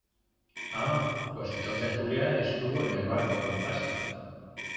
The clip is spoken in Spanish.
¡ ah! pues entonces Julia estuvo en el barco fantasma